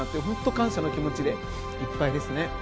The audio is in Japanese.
本当に感謝の気持ちでいっぱいですね。